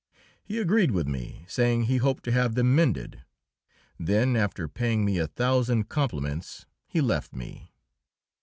He agreed with me, saying he hoped to have them mended. Then, after paying me a thousand compliments, he left me.